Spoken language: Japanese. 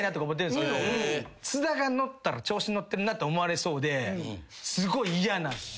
津田が乗ったら調子に乗ってるなって思われそうですごい嫌なんです。